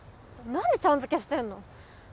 なんでちゃん付けしてんの！